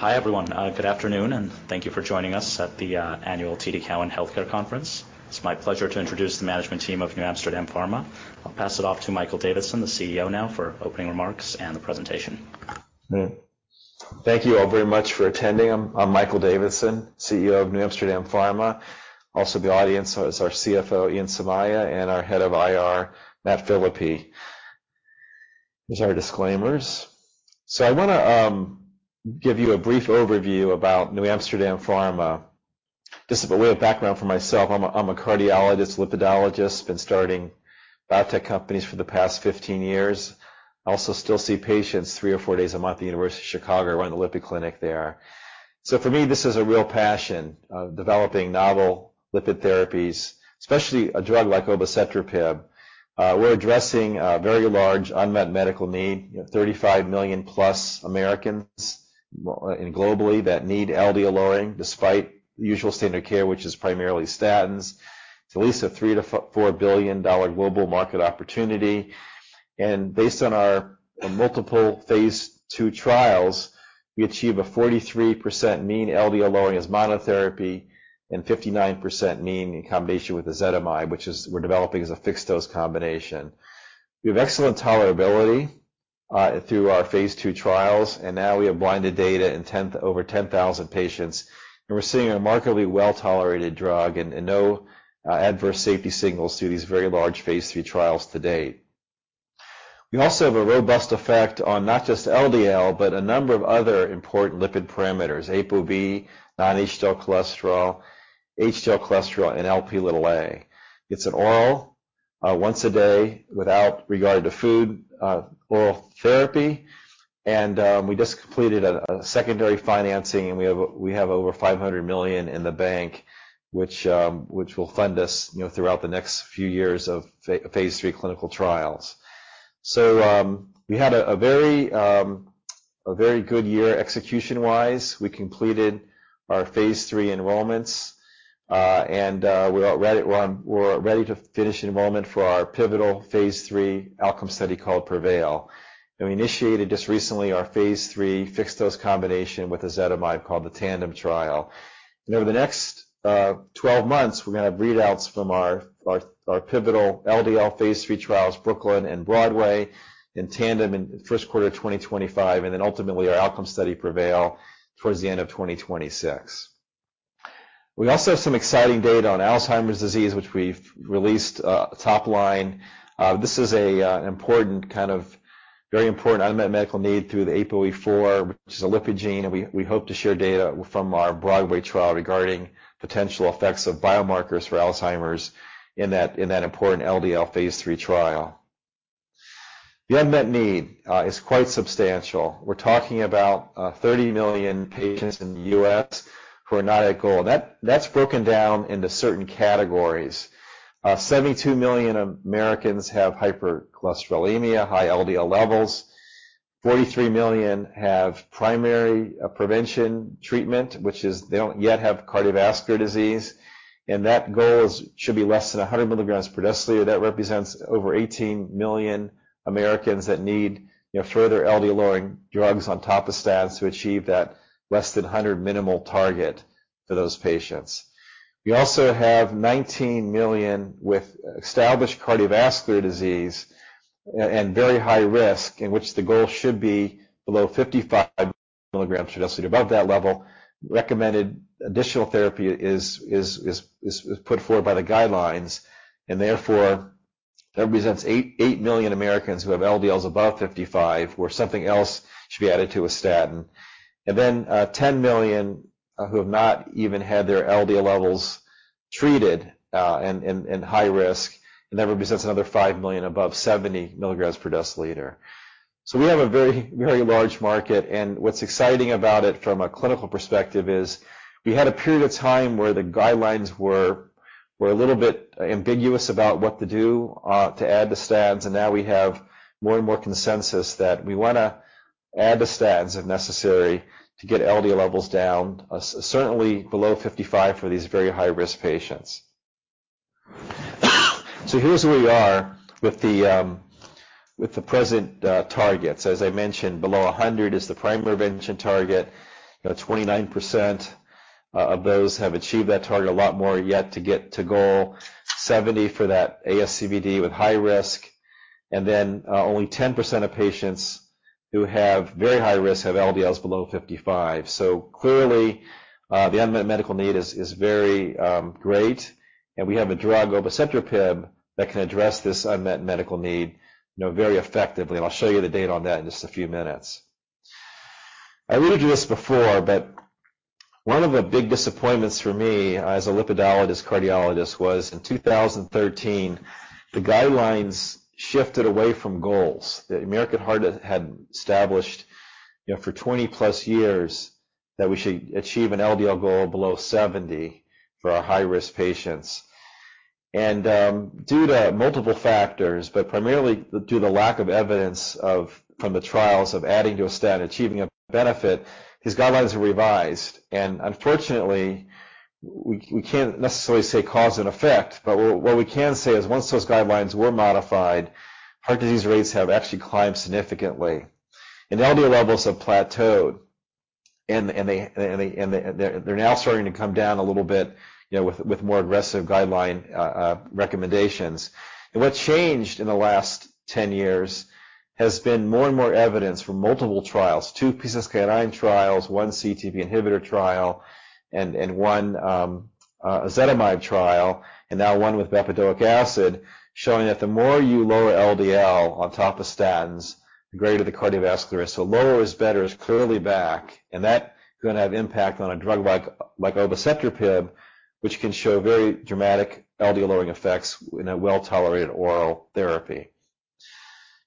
Hi everyone, good afternoon, and thank you for joining us at the annual TD Cowen Healthcare Conference. It's my pleasure to introduce the management team of NewAmsterdam Pharma. I'll pass it off to Michael Davidson, the CEO now, for opening remarks and the presentation. Thank you all very much for attending. I'm Michael Davidson, CEO of NewAmsterdam Pharma. Also, the audience has our CFO, Ian Somaiya, and our head of IR, Matt Phillips. Here's our disclaimers. So I wanna give you a brief overview about NewAmsterdam Pharma. Just a bit way of background for myself, I'm a cardiologist, lipidologist, been starting biotech companies for the past 15 years. I also still see patients three or four days a month at the University of Chicago, run the lipid clinic there. So for me, this is a real passion, developing novel lipid therapies, especially a drug like obicetrapib. We're addressing a very large unmet medical need, you know, 35 million-plus Americans, well, and globally that need LDL-lowering despite the usual standard care, which is primarily statins. It's at least a $3-$4 billion global market opportunity. Based on our multiple phase II trials, we achieve a 43% mean LDL-lowering as monotherapy and 59% mean in combination with ezetimibe, which is we're developing as a fixed-dose combination. We have excellent tolerability through our phase II trials, and now we have blinded data in over 10,000 patients. And we're seeing a remarkably well-tolerated drug and, and no adverse safety signals through these very large phase III trials to date. We also have a robust effect on not just LDL, but a number of other important lipid parameters: ApoB, non-HDL cholesterol, HDL cholesterol, and Lp(a). It's an oral, once a day without regard to food, oral therapy. And we just completed a secondary financing, and we have over $500 million in the bank, which will fund us, you know, throughout the next few years of phase III clinical trials. So, we had a very good year execution-wise. We completed our phase III enrollments, and we're ready to finish enrollment for our pivotal phase III outcome study called PREVAIL. We initiated just recently our phase III fixed-dose combination with ezetimibe called the TANDEM trial. Over the next 12 months, we're gonna have readouts from our pivotal LDL phase III trials BROOKLYN and BROADWAY in TANDEM in the first quarter of 2025, and then ultimately our outcome study PREVAIL towards the end of 2026. We also have some exciting data on Alzheimer's disease, which we've released, top line. This is an important, kind of very important unmet medical need through the ApoE4, which is a lipid gene, and we hope to share data from our BROADWAY trial regarding potential effects of biomarkers for Alzheimer's in that important LDL phase III trial. The unmet need is quite substantial. We're talking about 30 million patients in the U.S. who are not at goal. And that, that's broken down into certain categories. 72 million Americans have hypercholesterolemia, high LDL levels. 43 million have primary prevention treatment, which is they don't yet have cardiovascular disease. And that goal should be less than 100 milligrams per deciliter. That represents over 18 million Americans that need, you know, further LDL-lowering drugs on top of statins to achieve that less than 100 minimal target for those patients. We also have 19 million with established cardiovascular disease and very high risk, in which the goal should be below 55 milligrams per deciliter; above that level, recommended additional therapy is put forward by the guidelines, and therefore that represents eight million Americans who have LDLs above 55, where something else should be added to a statin. And then, 10 million who have not even had their LDL levels treated, and high risk, and that represents another five million above 70 milligrams per deciliter. So we have a very, very large market, and what's exciting about it from a clinical perspective is we had a period of time where the guidelines were a little bit ambiguous about what to do, to add the statins, and now we have more and more consensus that we wanna add the statins if necessary to get LDL levels down, certainly below 55 for these very high-risk patients. Here's where we are with the present targets. As I mentioned, below 100 is the primary intervention target. You know, 29% of those have achieved that target, a lot more yet to get to goal. 70 for that ASCVD with high risk. And then, only 10% of patients who have very high risk have LDLs below 55. Clearly, the unmet medical need is very great, and we have a drug, obicetrapib, that can address this unmet medical need, you know, very effectively. And I'll show you the data on that in just a few minutes. I alluded to this before, but one of the big disappointments for me, as a lipidologist, cardiologist, was in 2013, the guidelines shifted away from goals. The American Heart had established, you know, for 20-plus years that we should achieve an LDL goal below 70 for our high-risk patients. And, due to multiple factors, but primarily due to the lack of evidence from the trials of adding to a statin, achieving a benefit, these guidelines were revised. Unfortunately, we can't necessarily say cause and effect, but what we can say is once those guidelines were modified, heart disease rates have actually climbed significantly, and LDL levels have plateaued. And they're now starting to come down a little bit, you know, with more aggressive guideline recommendations. What changed in the last 10 years has been more and more evidence from multiple trials, two PCSK9 trials, one CETP inhibitor trial, and one ezetimibe trial, and now one with bempedoic acid, showing that the more you lower LDL on top of statins, the greater the cardiovascular risk. So lower is better is clearly back, and that's gonna have impact on a drug like obicetrapib, which can show very dramatic LDL-lowering effects in a well-tolerated oral therapy.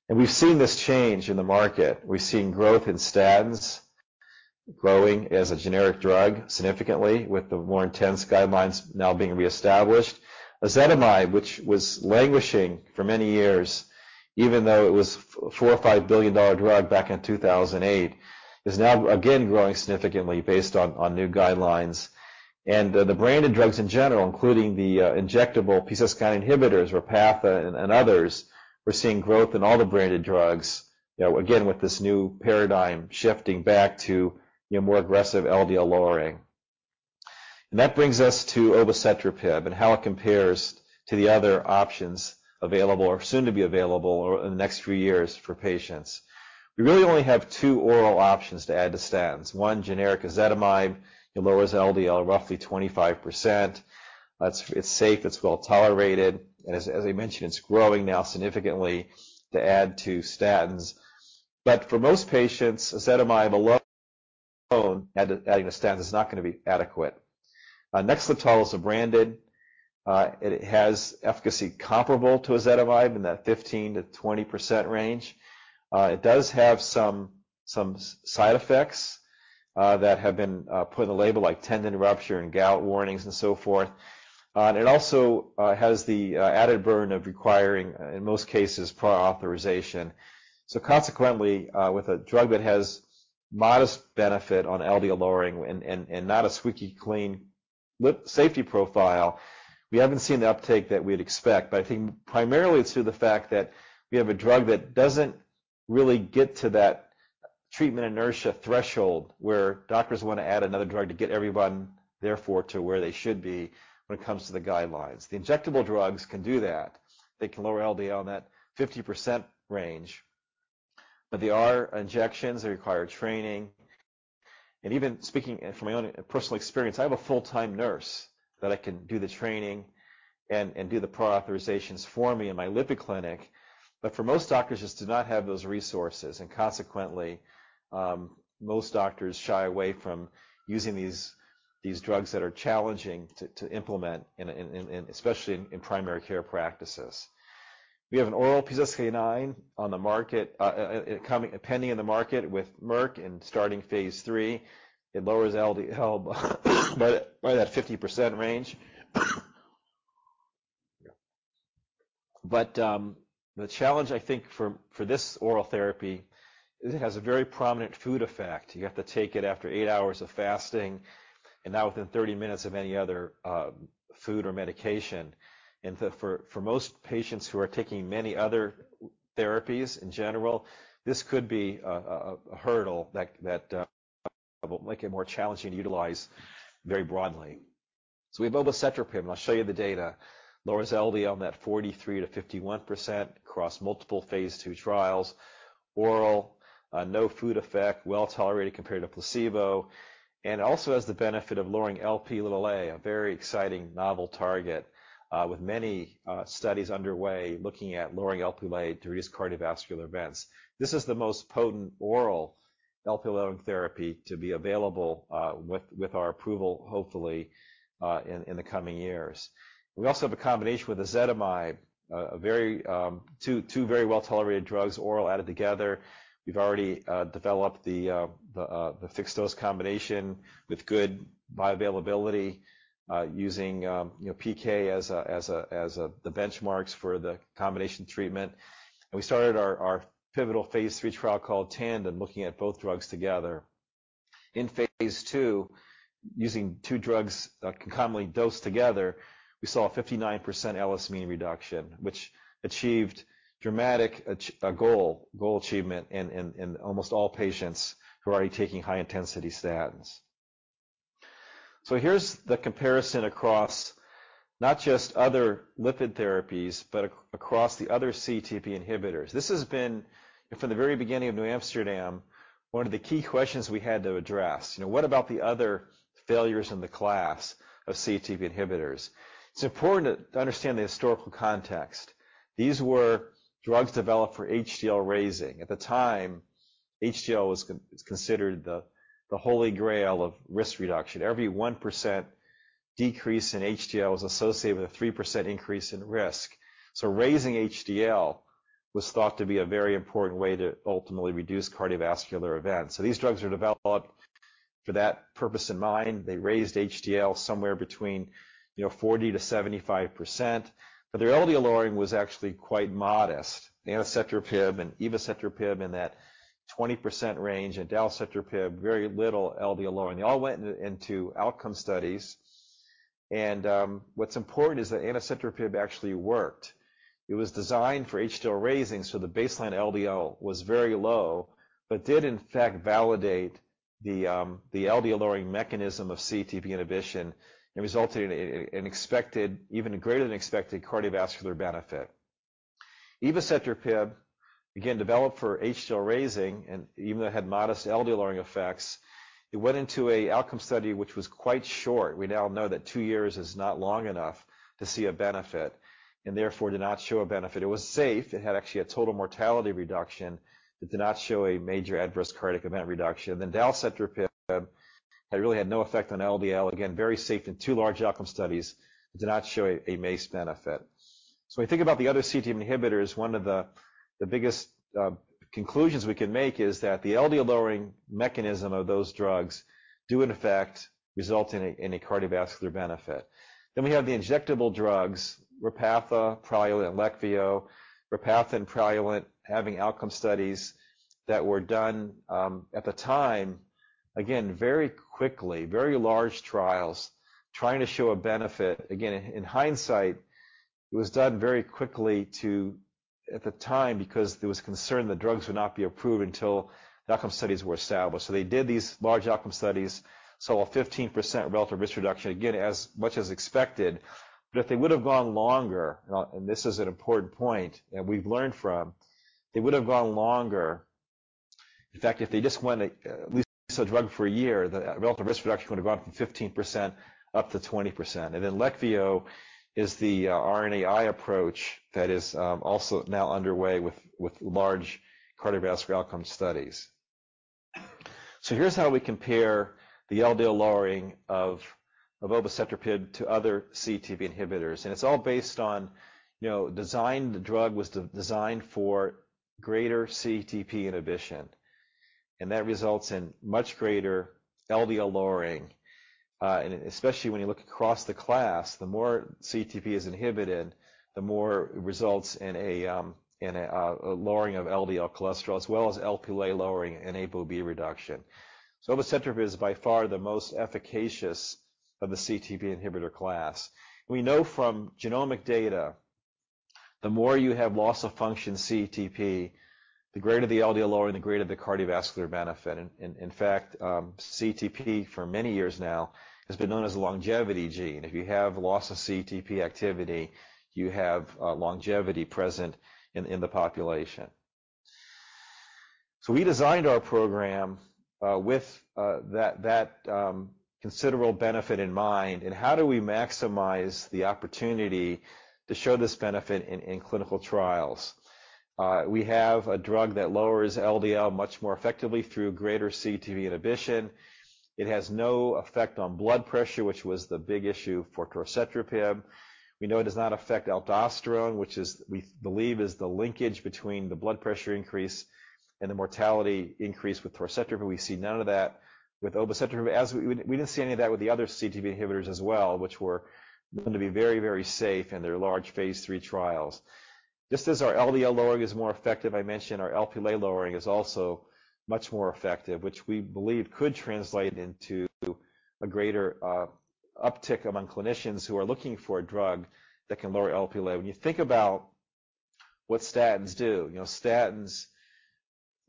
And we've seen this change in the market. We've seen growth in statins, growing as a generic drug significantly with the more intense guidelines now being reestablished. Ezetimibe, which was languishing for many years, even though it was $4-$5 billion drug back in 2008, is now again growing significantly based on, on new guidelines. The branded drugs in general, including the, injectable PCSK9 inhibitors or Repatha and, and others, we're seeing growth in all the branded drugs, you know, again with this new paradigm shifting back to, you know, more aggressive LDL-lowering. That brings us to obicetrapib and how it compares to the other options available or soon to be available or in the next few years for patients. We really only have two oral options to add to statins. One, generic ezetimibe, you know, lowers LDL roughly 25%. That's, it's safe, it's well-tolerated, and as I mentioned, it's growing now significantly to add to statins. But for most patients, ezetimibe alone adding to statins is not gonna be adequate. Next to the tolerability of branded, it has efficacy comparable to ezetimibe in that 15%-20% range. It does have some side effects that have been put on the label like tendon rupture and gout warnings and so forth. And it also has the added burden of requiring, in most cases, prior authorization. So consequently, with a drug that has modest benefit on LDL-lowering and not a squeaky clean safety profile, we haven't seen the uptake that we'd expect. I think primarily it's through the fact that we have a drug that doesn't really get to that treatment inertia threshold where doctors wanna add another drug to get everyone therefore to where they should be when it comes to the guidelines. The injectable drugs can do that. They can lower LDL in that 50% range. But they are injections, they require training. And even speaking from my own personal experience, I have a full-time nurse that I can do the training and do the prior authorizations for me in my lipid clinic, but for most doctors just do not have those resources. And consequently, most doctors shy away from using these drugs that are challenging to implement in, especially in primary care practices. We have an oral PCSK9 on the market, and coming pending in the market with Merck and starting phase 3. It lowers LDL by that 50% range. But the challenge I think for this oral therapy is it has a very prominent food effect. You have to take it after 8 hours of fasting and not within 30 minutes of any other food or medication. And so for most patients who are taking many other therapies in general, this could be a hurdle that will make it more challenging to utilize very broadly. So we have obicetrapib, and I'll show you the data. Lowers LDL in that 43%-51% across multiple phase 2 trials. Oral, no food effect, well-tolerated compared to placebo. It also has the benefit of lowering Lp(a), a very exciting novel target, with many studies underway looking at lowering Lp(a) to reduce cardiovascular events. This is the most potent oral Lp(a)-lowering therapy to be available, with our approval, hopefully, in the coming years. We also have a combination with ezetimibe, two very well-tolerated drugs, oral added together. We've already developed the fixed-dose combination with good bioavailability, using, you know, PK as the benchmarks for the combination treatment. We started our pivotal phase III trial called TANDEM looking at both drugs together. In phase II, using two drugs, concomitantly dosed together, we saw a 59% LS-mean reduction, which achieved dramatic goal achievement in almost all patients who are already taking high-intensity statins. Here's the comparison across not just other lipid therapies, but across the other CETP inhibitors. This has been, you know, from the very beginning of NewAmsterdam, one of the key questions we had to address. You know, what about the other failures in the class of CETP inhibitors? It's important to understand the historical context. These were drugs developed for HDL raising. At the time, HDL was considered the, the holy grail of risk reduction. Every 1% decrease in HDL was associated with a 3% increase in risk. So raising HDL was thought to be a very important way to ultimately reduce cardiovascular events. So these drugs were developed for that purpose in mind. They raised HDL somewhere between, you know, 40%-75%, but their LDL-lowering was actually quite modest. The anacetrapib and evacetrapib in that 20% range and dalcetrapib, very little LDL-lowering. They all went into outcome studies. And, what's important is that anacetrapib actually worked. It was designed for HDL raising, so the baseline LDL was very low, but did in fact validate the LDL-lowering mechanism of CETP inhibition and resulted in an expected even greater than expected cardiovascular benefit. Evacetrapib, again, developed for HDL raising, and even though it had modest LDL-lowering effects, it went into an outcome study which was quite short. We now know that two years is not long enough to see a benefit and therefore did not show a benefit. It was safe. It had actually a total mortality reduction. It did not show a major adverse cardiac event reduction. Then dalcetrapib had really no effect on LDL. Again, very safe in two large outcome studies. It did not show a MACE benefit. When you think about the other CETP inhibitors, one of the biggest conclusions we can make is that the LDL-lowering mechanism of those drugs do in fact result in a cardiovascular benefit. Then we have the injectable drugs, Repatha, Praluent, and Leqvio. Repatha and Praluent having outcome studies that were done, at the time, again, very quickly, very large trials, trying to show a benefit. Again, in hindsight, it was done very quickly to at the time because there was concern the drugs would not be approved until the outcome studies were established. So they did these large outcome studies, saw a 15% relative risk reduction, again, as much as expected. But if they would have gone longer, and this is an important point that we've learned from, they would have gone longer. In fact, if they just went at least a drug for a year, the relative risk reduction would have gone from 15% up to 20%. And then Leqvio is the RNAi approach that is also now underway with large cardiovascular outcome studies. So here's how we compare the LDL-lowering of obecetrapib to other CETP inhibitors. And it's all based on, you know, design the drug was designed for greater CETP inhibition, and that results in much greater LDL-lowering. Especially when you look across the class, the more CETP is inhibited, the more it results in a lowering of LDL cholesterol as well as Lp(a)-lowering and ApoB reduction. So obicetrapib is by far the most efficacious of the CETP inhibitor class. We know from genomic data, the more you have loss of function CETP, the greater the LDL-lowering, the greater the cardiovascular benefit. In fact, CETP for many years now has been known as a longevity gene. If you have loss of CETP activity, you have longevity present in the population. So we designed our program with that considerable benefit in mind. And how do we maximize the opportunity to show this benefit in clinical trials? We have a drug that lowers LDL much more effectively through greater CETP inhibition. It has no effect on blood pressure, which was the big issue for torcetrapib. We know it does not affect aldosterone, which we believe is the linkage between the blood pressure increase and the mortality increase with torcetrapib. We see none of that with obicetrapib. As we, we didn't see any of that with the other CETP inhibitors as well, which were known to be very, very safe in their large phase III trials. Just as our LDL-lowering is more effective, I mentioned our Lp(a)-lowering is also much more effective, which we believe could translate into a greater uptick among clinicians who are looking for a drug that can lower Lp(a). When you think about what statins do, you know, statins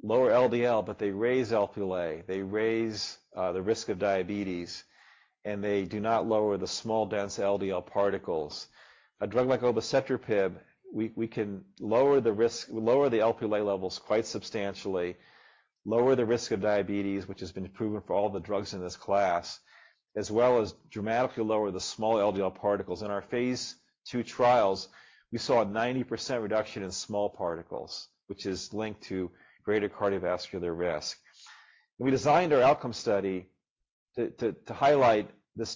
lower LDL, but they raise Lp(a). They raise the risk of diabetes, and they do not lower the small dense LDL particles. A drug like obicetrapib, we can lower the risk, we lower the Lp(a) levels quite substantially, lower the risk of diabetes, which has been proven for all the drugs in this class, as well as dramatically lower the small LDL particles. In our phase II trials, we saw a 90% reduction in small particles, which is linked to greater cardiovascular risk. We designed our outcome study to highlight these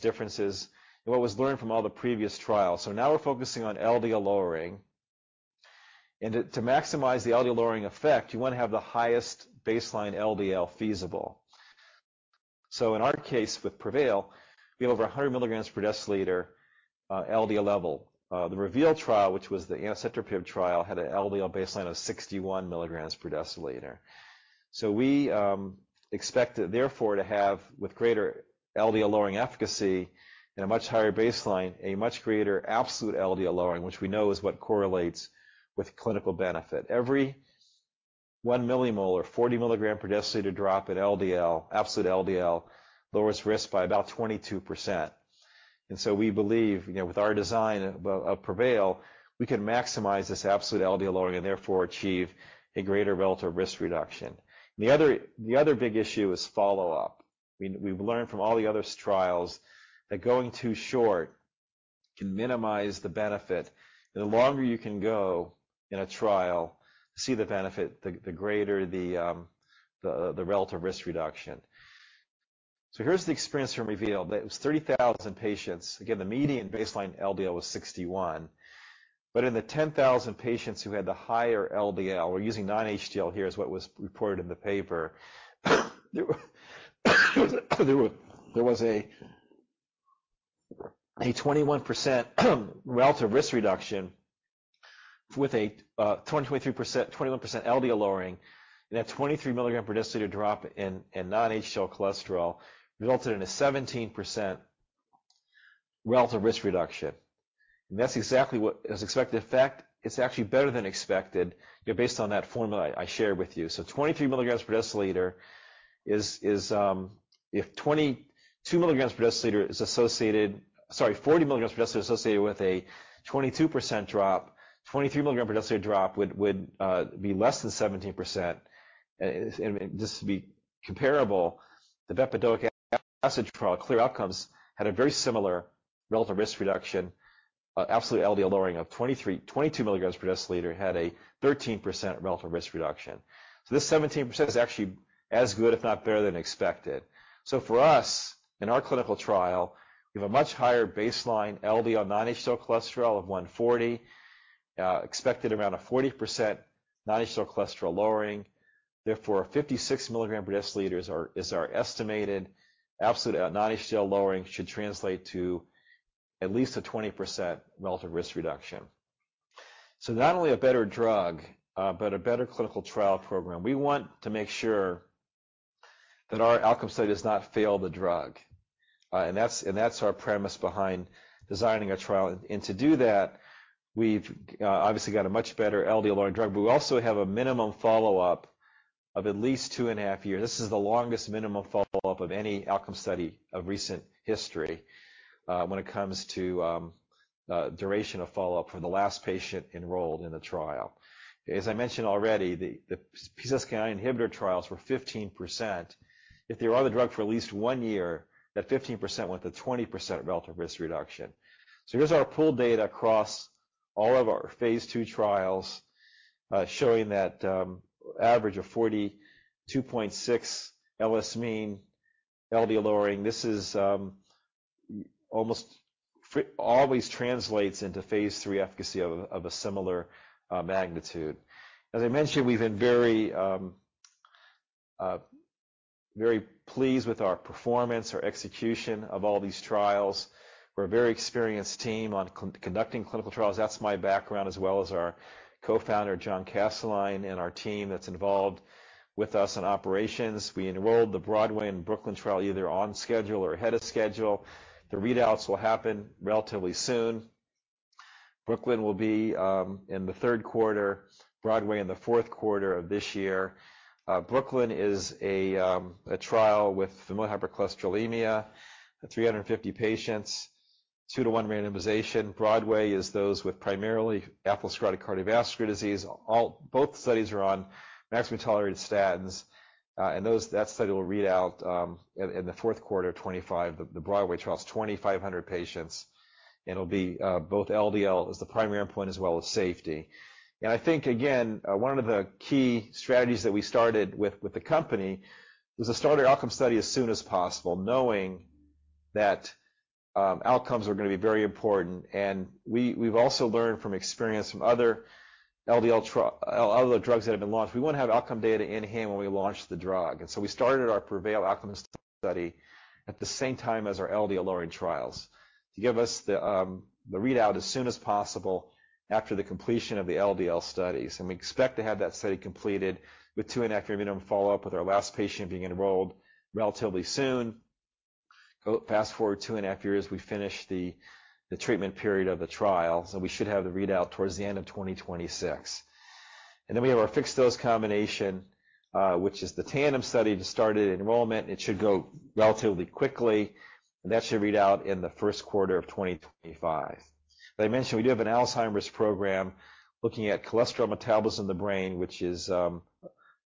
differences and what was learned from all the previous trials. So now we're focusing on LDL-lowering. And to maximize the LDL-lowering effect, you wanna have the highest baseline LDL feasible. So in our case with PREVAIL, we have over 100 milligrams per deciliter LDL level. The REVEAL trial, which was the anacetrapib trial, had an LDL baseline of 61 milligrams per deciliter. We expect therefore to have with greater LDL-lowering efficacy and a much higher baseline, a much greater absolute LDL-lowering, which we know is what correlates with clinical benefit. Every 1 millimole or 40 milligram per deciliter drop in LDL, absolute LDL, lowers risk by about 22%. And so we believe, you know, with our design of PREVAIL, we can maximize this absolute LDL-lowering and therefore achieve a greater relative risk reduction. The other big issue is follow-up. We've learned from all the other trials that going too short can minimize the benefit. The longer you can go in a trial to see the benefit, the greater the relative risk reduction. So here's the experience from REVEAL. That was 30,000 patients. Again, the median baseline LDL was 61. But in the 10,000 patients who had the higher LDL, we're using non-HDL here is what was reported in the paper. There was a 21% relative risk reduction with a 23% LDL-lowering. And that 23 milligram per deciliter drop in non-HDL cholesterol resulted in a 17% relative risk reduction. And that's exactly what is expected. In fact, it's actually better than expected, you know, based on that formula I shared with you. So 23 mg/dL is, if 22 mg/dL is associated—sorry, 40 mg/dL associated with a 22% drop—23 mg/dL drop would be less than 17%. And just to be comparable, the bempedoic acid trial, CLEAR Outcomes, had a very similar relative risk reduction, absolute LDL-lowering of 22 mg/dL had a 13% relative risk reduction. So this 17% is actually as good, if not better, than expected. So for us, in our clinical trial, we have a much higher baseline LDL non-HDL cholesterol of 140, expected around a 40% non-HDL cholesterol lowering. Therefore, 56 mg/dL is our estimated absolute non-HDL lowering should translate to at least a 20% relative risk reduction. So not only a better drug, but a better clinical trial program. We want to make sure that our outcome study does not fail the drug, and that's and that's our premise behind designing a trial. To do that, we've obviously got a much better LDL-lowering drug, but we also have a minimum follow-up of at least two and a half years. This is the longest minimum follow-up of any outcome study of recent history, when it comes to duration of follow-up for the last patient enrolled in the trial. As I mentioned already, the PCSK9 inhibitor trials were 15%. If they were on the drug for at least one year, that 15% went to 20% relative risk reduction. Here's our pooled data across all of our phase II trials, showing that average of 42.6 LS-mean LDL-lowering. This almost always translates into phase III efficacy of a similar magnitude. As I mentioned, we've been very, very pleased with our performance, our execution of all these trials. We're a very experienced team on conducting clinical trials. That's my background as well as our co-founder, John Kastelein, and our team that's involved with us on operations. We enrolled the BROADWAY and BROOKLYN trials either on schedule or ahead of schedule. The readouts will happen relatively soon. BROOKLYN will be in the third quarter. BROADWAY in the fourth quarter of this year. BROOKLYN is a trial with familial hypercholesterolemia, 350 patients, 2-to-1 randomization. BROADWAY is those with primarily atherosclerotic cardiovascular disease. All both studies are on maximum tolerated statins, and those studies will read out in the fourth quarter 2025. The BROADWAY trial is 2,500 patients. And it'll be both LDL is the primary endpoint as well as safety. I think, again, one of the key strategies that we started with, with the company was to start our outcome study as soon as possible, knowing that, outcomes were gonna be very important. We've also learned from experience from other LDL trial other drugs that have been launched. We wanna have outcome data in hand when we launch the drug. So we started our PREVAIL outcome study at the same time as our LDL-lowering trials to give us the readout as soon as possible after the completion of the LDL studies. We expect to have that study completed with 2.5-year minimum follow-up with our last patient being enrolled relatively soon. Fast forward 2.5 years we finish the treatment period of the trial. So we should have the readout towards the end of 2026. Then we have our fixed-dose combination, which is the TANDEM study to start it in enrollment. It should go relatively quickly. That should read out in the first quarter of 2025. As I mentioned, we do have an Alzheimer's program looking at cholesterol metabolism in the brain, which is,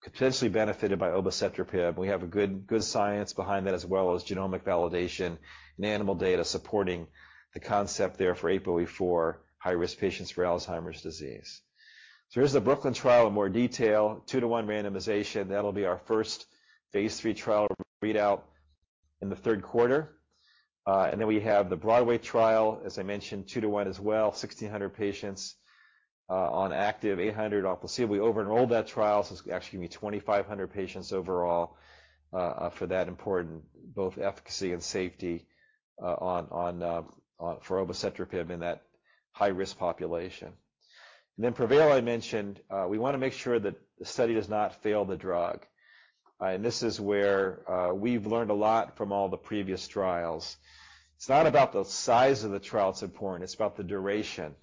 potentially benefited by obicetrapib. We have a good, good science behind that as well as genomic validation and animal data supporting the concept there for ApoE4, high-risk patients for Alzheimer's disease. So here's the BROOKLYN trial in more detail, 2-to-1 randomization. That'll be our first phase III trial readout in the third quarter. And then we have the BROADWAY trial, as I mentioned, 2-to-1 as well, 1,600 patients on active, 800 on placebo. We over-enrolled that trial. So it's actually gonna be 2,500 patients overall, for that important both efficacy and safety, on for obicetrapib in that high-risk population. And then PREVAIL, I mentioned, we wanna make sure that the study does not fail the drug. And this is where, we've learned a lot from all the previous trials. It's not about the size of the trial that's important. It's about the duration.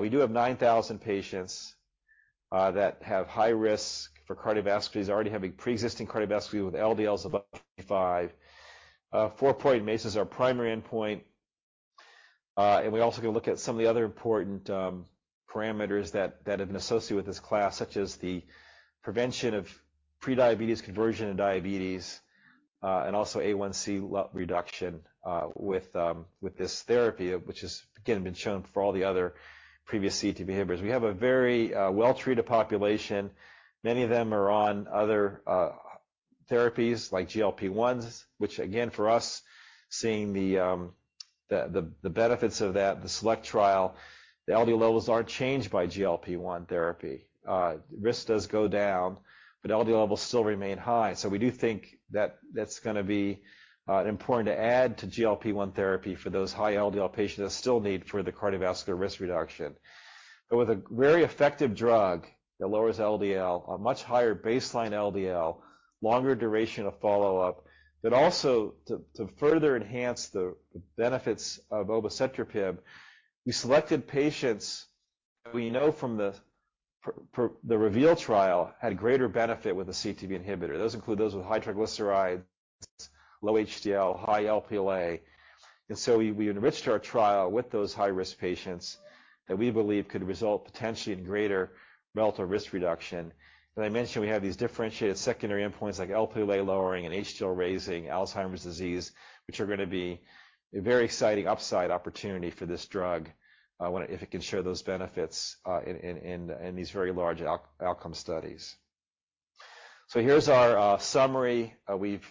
We do have 9,000 patients, that have high risk for cardiovascular disease, already having preexisting cardiovascular disease with LDLs above 55. 4-point MACEs are our primary endpoint. And we also gonna look at some of the other important, parameters that have been associated with this class, such as the prevention of prediabetes conversion and diabetes, and also A1c reduction, with this therapy, which has, again, been shown for all the other previous CETP inhibitors. We have a very, well-treated population. Many of them are on other therapies like GLP-1s, which, again, for us, seeing the benefits of that, the SELECT trial, the LDL levels aren't changed by GLP-1 therapy. Risk does go down, but LDL levels still remain high. So we do think that that's gonna be important to add to GLP-1 therapy for those high LDL patients that still need further cardiovascular risk reduction. But with a very effective drug that lowers LDL, a much higher baseline LDL, longer duration of follow-up, but also to further enhance the benefits of obicetrapib, we selected patients that we know from the REVEAL trial had greater benefit with a CETP inhibitor. Those include those with high triglycerides, low HDL, high Lp(a). And so we enriched our trial with those high-risk patients that we believe could result potentially in greater relative risk reduction. I mentioned we have these differentiated secondary endpoints like Lp(a) lowering and HDL raising, Alzheimer's disease, which are gonna be a very exciting upside opportunity for this drug, if it can share those benefits in these very large outcome studies. So here's our summary. We've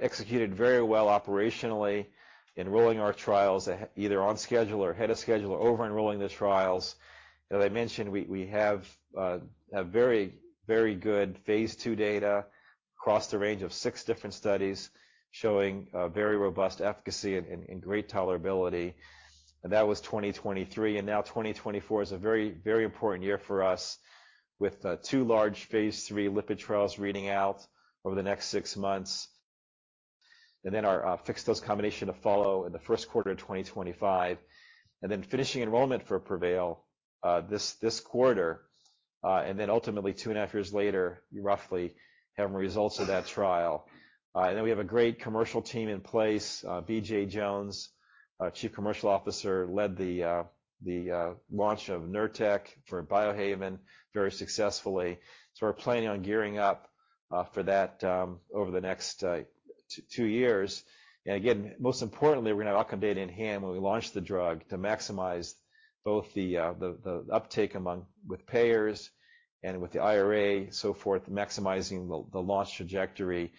executed very well operationally, enrolling our trials ahead, either on schedule or ahead of schedule or over-enrolling the trials. As I mentioned, we have very, very good phase II data across the range of six different studies showing very robust efficacy and great tolerability. And that was 2023. And now 2024 is a very, very important year for us with two large phase III lipid trials reading out over the next six months. And then our fixed-dose combination to follow in the first quarter of 2025. And then finishing enrollment for PREVAIL this quarter, and then ultimately 2.5 years later, you roughly have results of that trial. And then we have a great commercial team in place, BJ Jones, Chief Commercial Officer, led the launch of Nurtec for Biohaven very successfully. So we're planning on gearing up for that over the next two years. And again, most importantly, we're gonna have outcome data in hand when we launch the drug to maximize both the uptake among with payers and with the IRA, so forth, maximizing the launch trajectory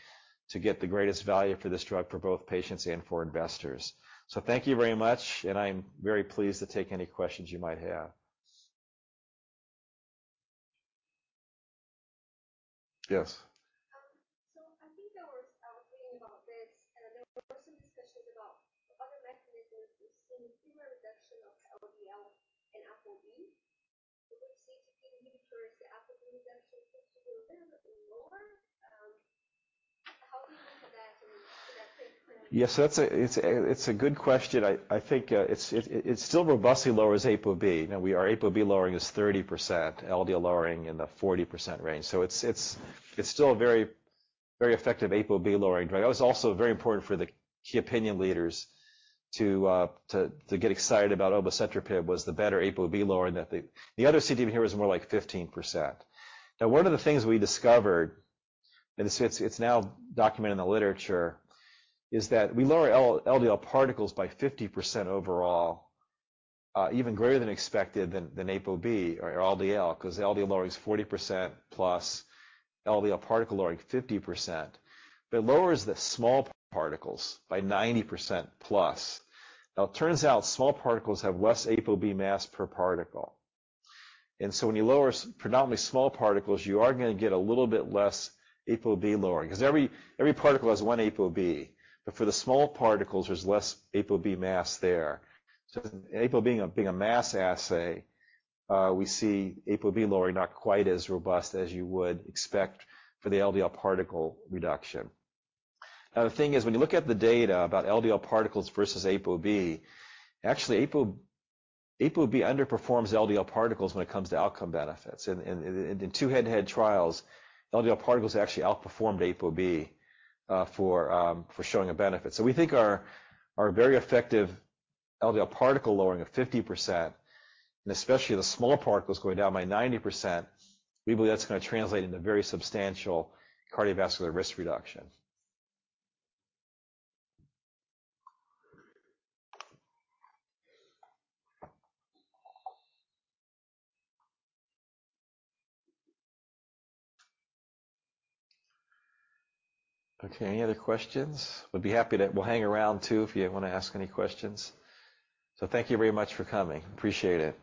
to get the greatest value for this drug for both patients and for investors. So thank you very much. And I'm very pleased to take any questions you might have. Yes. So I think I was reading about this. There were some discussions about other mechanisms we've seen in turnover reduction of LDL and ApoB. With CETP inhibitors, the ApoB reduction seems to be a little bit lower. How do you look at that and to that pain point? Yes. That's a good question. I think it's still robustly lower as ApoB. Now, our ApoB lowering is 30%, LDL lowering in the 40% range. So it's still a very effective ApoB lowering drug. That was also very important for the key opinion leaders to get excited about obicetrapib was the better ApoB lowering that the other CETP inhibitor was more like 15%. Now, one of the things we discovered, and it's now documented in the literature, is that we lower LDL particles by 50% overall, even greater than expected than ApoB or LDL 'cause LDL lowering's 40%+ LDL particle lowering 50%. But it lowers the small particles by 90%+. Now, it turns out small particles have less ApoB mass per particle. And so when you lower predominantly small particles, you are gonna get a little bit less ApoB lowering 'cause every particle has one ApoB. But for the small particles, there's less ApoB mass there. So ApoB being a mass assay, we see ApoB lowering not quite as robust as you would expect for the LDL particle reduction. Now, the thing is when you look at the data about LDL particles versus ApoB, actually, ApoB underperforms LDL particles when it comes to outcome benefits. And in two-head-to-head trials, LDL particles actually outperformed ApoB for showing a benefit. So we think our very effective LDL particle lowering of 50%, and especially the small particles going down by 90%, we believe that's gonna translate into very substantial cardiovascular risk reduction. Okay. Any other questions? We'd be happy. We'll hang around too if you wanna ask any questions. So thank you very much for coming. Appreciate it.